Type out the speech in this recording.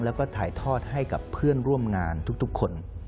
แล้วก็ถ่ายทอดให้กับเพื่อนร่วมงานทุกคน